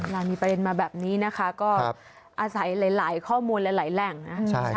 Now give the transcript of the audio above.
เรามีประเด็นมาแบบนี้นะคะก็อาศัยหลายข้อมูลหลายแหล่งนะ